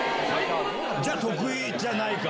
じゃあ、徳井じゃないか。